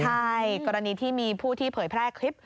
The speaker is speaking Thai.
ใช่กรณีที่มีผู้ที่เผยแพร่คลิป